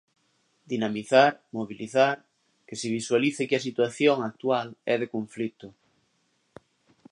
Dinamizar, mobilizar, que se visualice que a situación actual é de conflito.